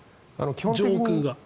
上空が。